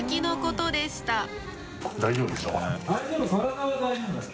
大丈夫ですか？